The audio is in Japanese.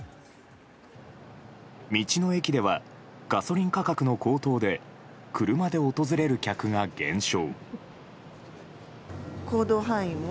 道の駅ではガソリン価格の高騰で車で訪れる客が減少。